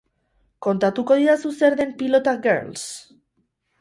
Kontatuko didazu zer den Pilota Girls?